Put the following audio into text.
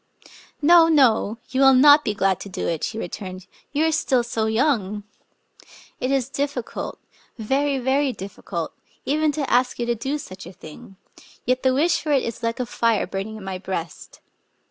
" No, no — you will not be glad to do it," she returned: "you are still so young! It is diffi cult — very, very difficult — even to ask you to do such a thing ; yet the wish for it is like a fire burning in my breast.